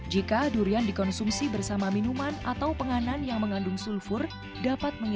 jika durian berbeda dengan kondisi yang terlalu tinggi maka durian tidak bisa dikonsumsi dengan kondisi yang terlalu tinggi